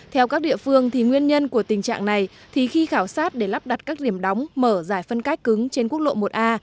theo các địa phương thì nguyên nhân của tình trạng này thì khi khảo sát để lắp đặt các điểm đóng mở giải phân cách cứng trên quốc lộ một a